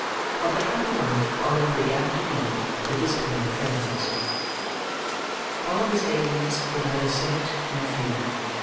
OF THE HAPPY LIFE OLIVER BEGAN TO LEAD WITH HIS KIND FRIENDS Oliver's ailings were neither slight nor few.